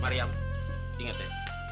mariam inget ya